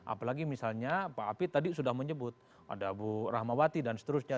apalagi misalnya pak api tadi sudah menyebut ada bu rahmawati dan seterusnya